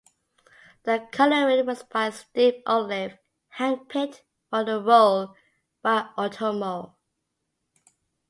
The coloring was by Steve Oliff, hand-picked for the role by Otomo.